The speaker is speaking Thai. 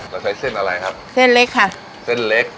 เราใช้เส้นอะไรครับเส้นเล็กค่ะเส้นเล็ก